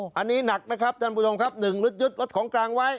อันนี้หนักนะครับท่านผู้ชมครับ๑รุดยึดรถของกลางไว้